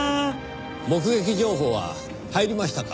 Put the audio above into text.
目撃情報は入りましたか？